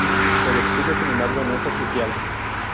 El escudo, sin embargo, no es oficial.